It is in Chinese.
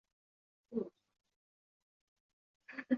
比赛颁奖礼与国际数学奥林匹克香港队授旗礼一同举行。